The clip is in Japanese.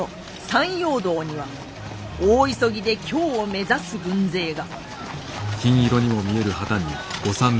山陽道には大急ぎで京を目指す軍勢が。